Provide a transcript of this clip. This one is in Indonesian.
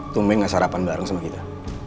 tumeng gak sarapan bareng sama kita